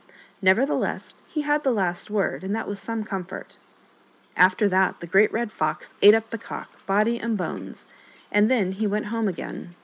Nevertheless, he had the last word, and that was some comfort. After that the Great Red Fox ate up the Cock, body and bones, and then he went home again.